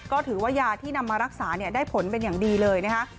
ก็ถือว่ายาที่นำมารักษาได้ผลเป็นอย่างดีเลยนะคะ